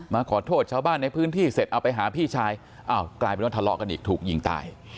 มาขอโทษชาวบ้านในพื้นที่เสร็จเอาไปหาพี่ชายอ้าวกลายเป็นว่าทะเลาะกันอีกถูกยิงตาย